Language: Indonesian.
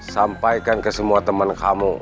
sampaikan ke semua teman kamu